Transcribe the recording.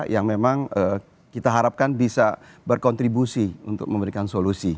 yang memang kita harapkan bisa berkontribusi untuk memberikan solusi